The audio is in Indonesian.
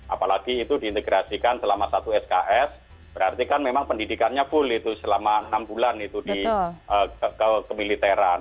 apalagi itu diintegrasikan selama satu sks berarti kan memang pendidikannya full itu selama enam bulan itu di kemiliteran